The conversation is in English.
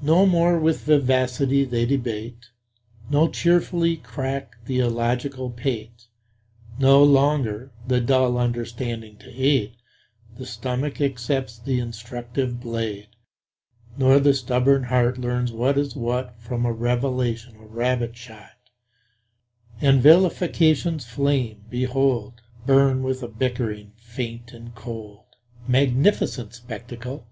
No more with vivacity they debate, Nor cheerfully crack the illogical pate; No longer, the dull understanding to aid, The stomach accepts the instructive blade, Nor the stubborn heart learns what is what From a revelation of rabbit shot; And vilification's flames behold! Burn with a bickering faint and cold. Magnificent spectacle!